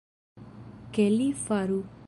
Ke li faru.